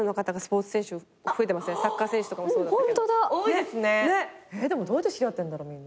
でもどうやって知り合ってんだろうみんな。